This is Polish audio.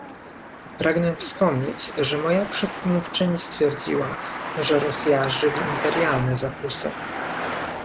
Pragnę wspomnieć, że moja przedmówczyni stwierdziła, że Rosja żywi imperialne zakusy